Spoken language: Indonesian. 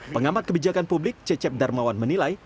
pengamat kebijakan publik cecep darmawan menilai